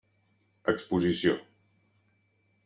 Exposició: